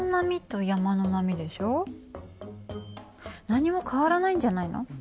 何にも変わらないんじゃないの？